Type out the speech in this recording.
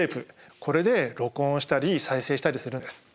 これで録音したり再生したりするんです。